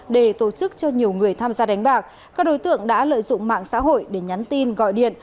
để tổ chức cho nhiều người tham gia đánh bạc các đối tượng đã lợi dụng mạng xã hội để nhắn tin gọi điện